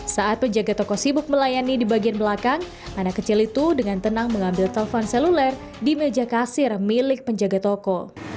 saat penjaga toko sibuk melayani di bagian belakang anak kecil itu dengan tenang mengambil telpon seluler di meja kasir milik penjaga toko